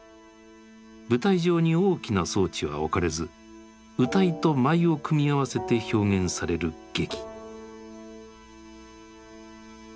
舞台上に大きな装置は置かれず謡と舞を組み合わせて表現される劇。